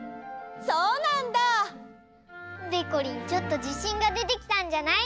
そうなんだあ。でこりんちょっとじしんがでてきたんじゃない？